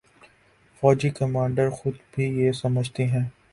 فوجی کمانڈر خود بھی یہ سمجھتے ہیں۔